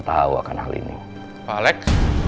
jadi di acara ulang tahun